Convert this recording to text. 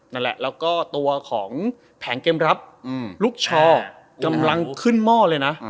นั่นแหละแล้วก็ตัวของแผงเกมรับลูกชอกำลังขึ้นหม้อเลยนะ